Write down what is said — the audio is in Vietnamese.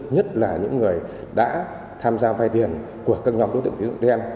nhất là những người đã tham gia vay tiền của các nhóm đối tượng tiến dụng nhân trị địa bàn